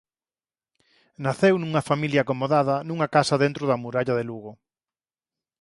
Naceu nunha familia acomodada nunha casa dentro da muralla de Lugo.